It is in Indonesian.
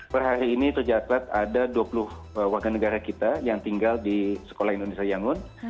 per hari ini tercatat ada dua puluh warga negara kita yang tinggal di sekolah indonesia yangon